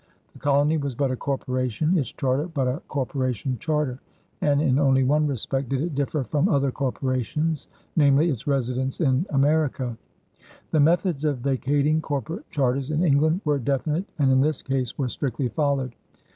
The colony was but a corporation, its charter but a corporation charter, and in only one respect did it differ from other corporations, namely, its residence in America. The methods of vacating corporate charters in England were definite and in this case were strictly followed.